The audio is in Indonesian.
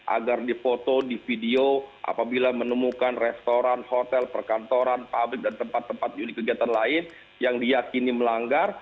agar difoto di video apabila menemukan restoran hotel perkantoran pabrik dan tempat tempat unit kegiatan lain yang diakini melanggar